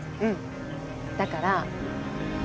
だから。